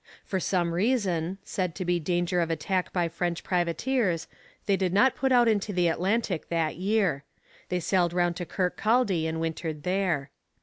For some reason, said to be danger of attack by French privateers, they did not put out into the Atlantic that year; they sailed round to Kirkcaldy and wintered there.